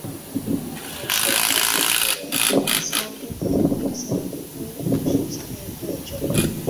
法氏口虾蛄为虾蛄科口虾蛄属下的一个种。